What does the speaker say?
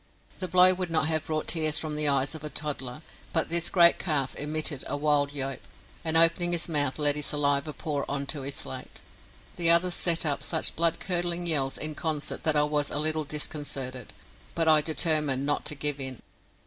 The blow would not have brought tears from the eyes of a toddler, but this great calf emitted a wild yope, and opening his mouth let his saliva pour on to his slate. The others set up such blood curdling yells in concert that I was a little disconcerted, but I determined not to give in.